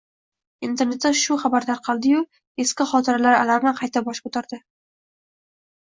Internetda shu xabar tarqaldi-yu, eski xotiralar alami qayta bosh ko`tardi